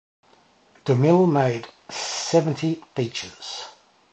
DeMille made seventy features.